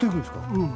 うん。